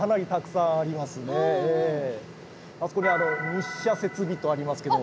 あそこに「日射設備」とありますけども。